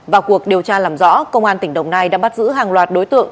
vào cuộc điều tra làm rõ công an tỉnh đồng nai đã bắt giữ hàng loạt đối tượng